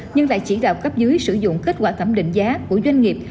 nhưng lại chỉ đạo cấp dưới sử dụng kết quả thẩm định giá của doanh nghiệp